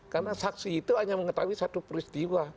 karena saksi itu hanya mengetahui satu peristiwa